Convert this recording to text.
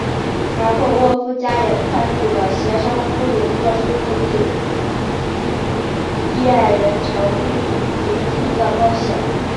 而后沃夫加也参与了协助布鲁诺收复地底矮人城秘银厅的冒险。